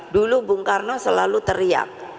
dulu bung karno selalu teriak